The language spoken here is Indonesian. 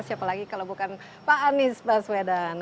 siapa lagi kalau bukan pak anies baswedan